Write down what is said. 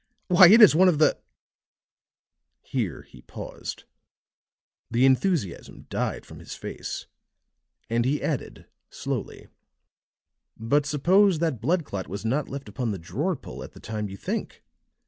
Why, it is one of the " Here he paused, the enthusiasm died from his face, and he added slowly: "But suppose that blood clot was not left upon the drawer pull at the time you think.